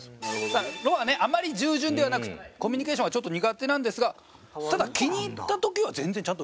さあロバはねあまり従順ではなくコミュニケーションがちょっと苦手なんですがただ気に入った時は全然ちゃんと動いてくれるんですね。